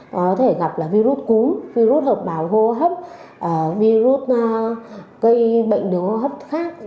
có thể gặp là virus cúm virus hợp bào hô hấp virus gây bệnh đường hô hấp khác